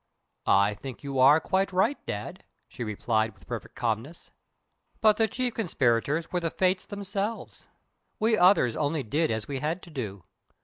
"I think you are quite right, Dad," she replied, with perfect calmness. "But the chief conspirators were the Fates themselves. We others only did as we had to do.